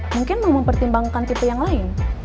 mungkin mau mempertimbangkan tipe yang lain